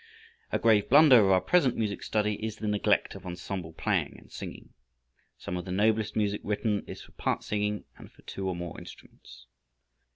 [Illustration: BRAHMS] A grave blunder of our present music study is the neglect of ensemble playing and singing. Some of the noblest music written is for part singing and for two or more instruments.